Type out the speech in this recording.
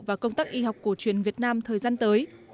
và công tác y học cổ truyền việt nam thời gian tới